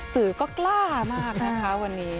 สื่อก็กล้ามากนะคะวันนี้